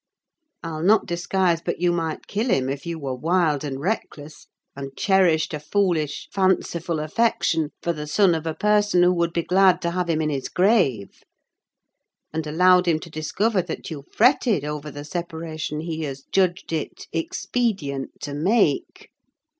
I'll not disguise but you might kill him if you were wild and reckless, and cherished a foolish, fanciful affection for the son of a person who would be glad to have him in his grave; and allowed him to discover that you fretted over the separation he has judged it expedient to make."